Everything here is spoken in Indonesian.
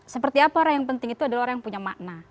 seperti apa orang yang penting itu adalah orang yang punya makna